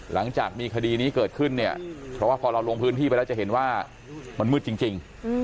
หลังจากมีคดีนี้เกิดขึ้นเนี่ยเพราะว่าพอเราลงพื้นที่ไปแล้วจะเห็นว่ามันมืดจริง